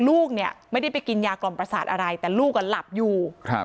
ลูกเนี่ยไม่ได้ไปกินยากล่อมประสาทอะไรแต่ลูกอ่ะหลับอยู่ครับ